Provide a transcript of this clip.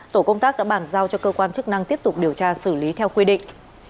tổ công tác đã bàn giao cho cơ quan chức năng tiếp tục điều tra xử lý theo quy định